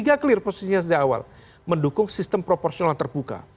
tetapi p tiga clear posisinya sejak awal mendukung sistem proporsional terbuka